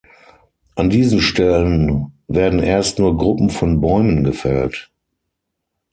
An diesen Stellen werden erst nur Gruppen von Bäumen gefällt.